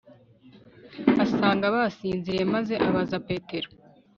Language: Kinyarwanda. asanga basinziriye maze abaza petero